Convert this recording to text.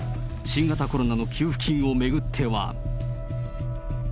新型コロナの給付金を巡っては。